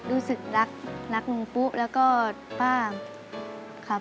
รู้สึกรักรักลุงปุ๊แล้วก็ป้าครับ